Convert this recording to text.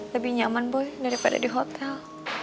lebih nyaman bu daripada di hotel